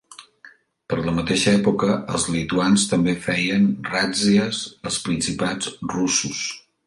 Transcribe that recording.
Per la mateixa època els lituans també feien ràtzies als principats russos.